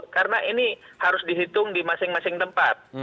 karena ini harus dihitung di masing masing tempat